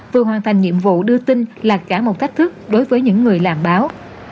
vừa hoàn thành nhiệm vụ đưa tin là cả một thách thức đối với những người làm báo